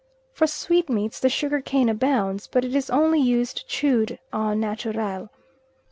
For sweetmeats the sugar cane abounds, but it is only used chewed au naturel.